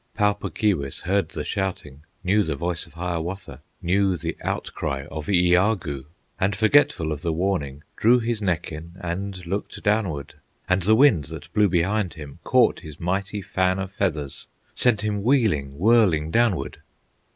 Pau Puk Keewis heard the shouting, Knew the voice of Hiawatha, Knew the outcry of Iagoo, And, forgetful of the warning, Drew his neck in, and looked downward, And the wind that blew behind him Caught his mighty fan of feathers, Sent him wheeling, whirling downward!